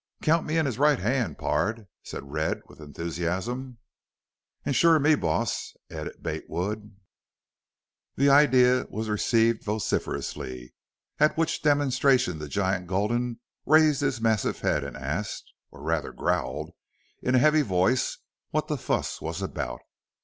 "Count me in as right hand, pard," replied Red, with enthusiasm. "An' shore me, boss," added Bate Wood. The idea was received vociferously, at which demonstration the giant Gulden raised his massive head and asked, or rather growled, in a heavy voice what the fuss was about.